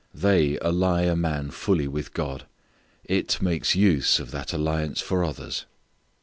They ally a man fully with God: it makes use of that alliance for others.